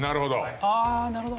なるほど。